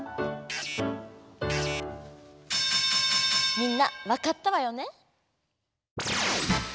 みんなわかったわよね？